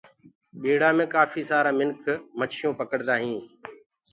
ٻيڙآ مي ڪآڦيٚ سآرا ميِنک مڇيون پڪڙدآ هِينٚ